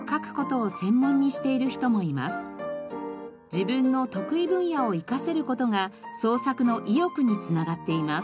自分の得意分野を生かせる事が創作の意欲に繋がっています。